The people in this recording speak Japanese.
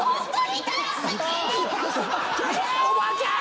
おばちゃん！